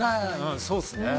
そうですね。